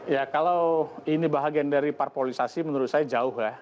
ya kalau ini bahagian dari parpolisasi menurut saya jauh ya